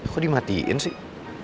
kok dimatiin sih